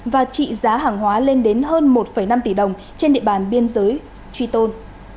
và trị giá hàng hóa lên đến hơn một năm tỷ đồng trên địa bàn biên giới triton